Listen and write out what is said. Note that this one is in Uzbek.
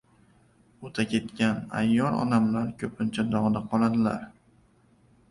O‘taketgan ayyor odamlar ko‘pincha dog‘da qoladilar